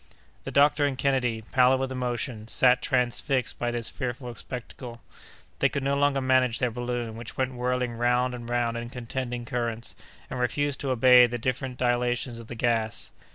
The doctor and Kennedy, pallid with emotion, sat transfixed by this fearful spectacle. They could no longer manage their balloon, which went whirling round and round in contending currents, and refused to obey the different dilations of the gas.